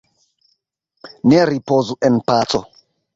Ne ripozu en paco!